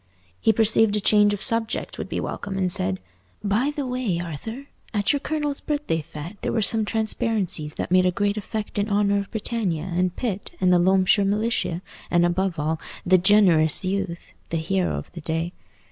He perceived a change of subject would be welcome, and said, "By the way, Arthur, at your colonel's birthday fête there were some transparencies that made a great effect in honour of Britannia, and Pitt, and the Loamshire Militia, and, above all, the 'generous youth,' the hero of the day.